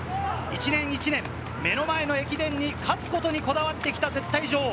１年、目の前の駅伝に勝つことにこだわってきた絶対女王。